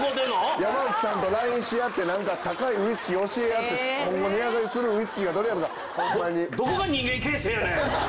山内さんとＬＩＮＥし合って何か高いウイスキー教え合って今後値上がりするウイスキーがどれやとかホンマに。